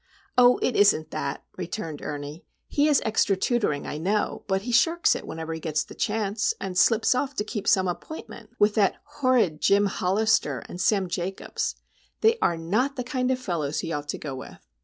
"Oh, it isn't that," returned Ernie. "He has extra tutoring, I know; but he shirks it whenever he gets the chance, and slips off to keep some appointment with that horrid Jim Hollister and Sam Jacobs. They are not the kind of fellows he ought to go with."